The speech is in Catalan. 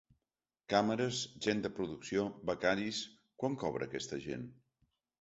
Càmeres, gent de producció, becaris… Quant cobra aquesta gent?